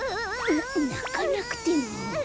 ななかなくても。